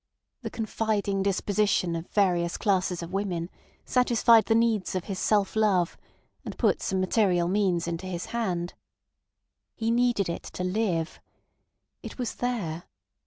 The confiding disposition of various classes of women satisfied the needs of his self love, and put some material means into his hand. He needed it to live. It was there.